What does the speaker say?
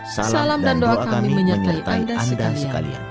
salam dan doa kami menyertai anda sekalian